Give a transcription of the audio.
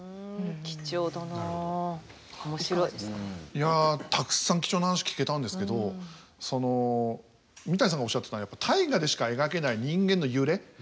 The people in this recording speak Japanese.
いやたくさん貴重な話聞けたんですけどその三谷さんがおっしゃってたやっぱ「大河」でしか描けない人間の揺れ。